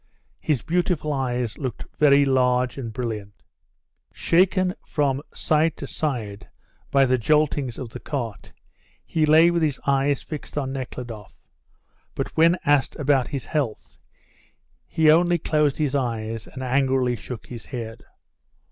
His beautiful eyes looked very large and brilliant. Shaken from side to side by the jottings of the cart, he lay with his eyes fixed on Nekhludoff; but when asked about his health, he only closed his eyes and angrily shook his head.